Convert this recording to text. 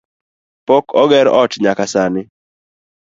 Pok oger ot nyaka sani